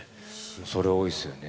恐れ多いですよね。